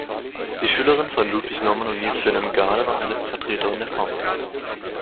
Die Schülerin von Ludvig Norman und Niels Wilhelm Gade war eine Vertreterin der Frauenbewegung.